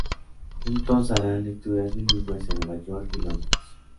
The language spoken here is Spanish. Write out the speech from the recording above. Juntos harán lecturas bilingües en Nueva York y Londres.